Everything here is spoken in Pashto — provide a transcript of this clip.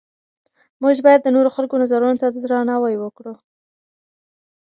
موږ باید د نورو خلکو نظرونو ته درناوی وکړو.